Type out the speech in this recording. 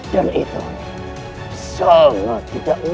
dan itu sangat tidak mungkin